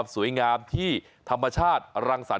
สงขลาครับ